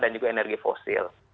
dan juga energi fosil